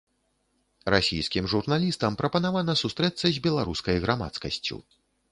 Расійскім журналістам прапанавана сустрэцца з беларускай грамадскасцю.